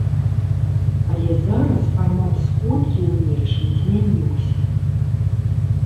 Але зараз фармат сходкі ў нечым змяніўся.